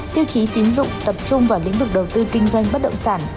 tiêu chí tín dụng tập trung vào lĩnh vực đầu tư kinh doanh bất động sản